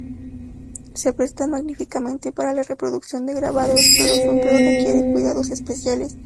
Se presta magníficamente para la reproducción de grabados, pero su empleo requiere cuidados especiales.